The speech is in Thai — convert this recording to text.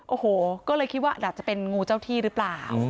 โอ้โหก็เลยคิดว่าอาจจะเป็นงูเจ้าที่หรือเปล่า